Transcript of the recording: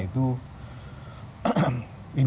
jadi itu adalah bukan by design